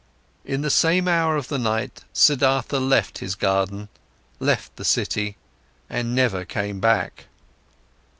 In the same hour of the night, Siddhartha left his garden, left the city, and never came back.